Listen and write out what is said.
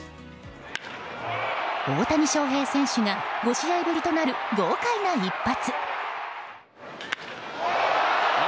大谷翔平選手が５試合ぶりとなる豪快な一発。